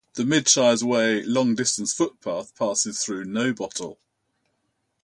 The Midshires Way long distance footpath passes through Nobottle.